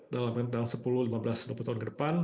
dalam sepuluh lima belas dua puluh tahun ke depan